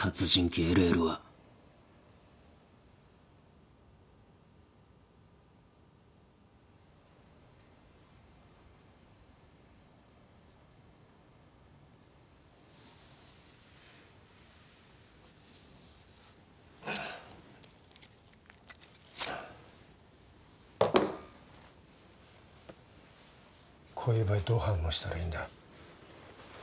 こういう場合どう反応したらいいんだ？